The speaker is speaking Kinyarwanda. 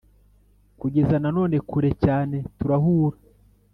kugeza na none, kure cyane, turahura.